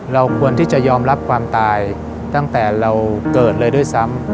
เราควรที่จะยอมรับความตายตั้งแต่เราเกิดเลยด้วยซ้ำ